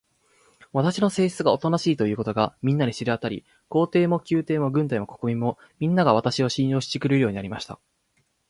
私の性質がおとなしいということが、みんなに知れわたり、皇帝も宮廷も軍隊も国民も、みんなが、私を信用してくれるようになりました。